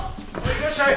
いらっしゃい。